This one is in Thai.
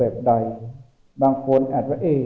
บางคนอาจว่าเอ่ย